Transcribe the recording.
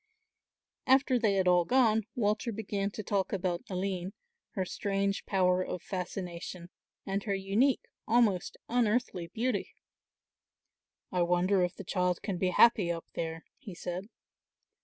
After they had all gone Walter began to talk about Aline, her strange power of fascination and her unique, almost unearthly beauty. "I wonder if the child can be happy up there," he said.